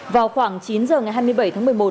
vào khoảng chín giờ ngày hai mươi bảy tháng một mươi một